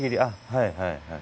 はいはいはい。